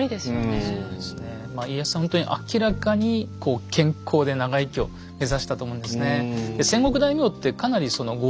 家康はほんとに明らかにこう健康で長生きを目指したと思うんですね。